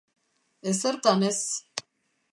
Ezertan ez.